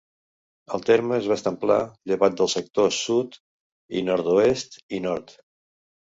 El terme és bastant pla, llevat dels sectors sud i nord-oest i nord.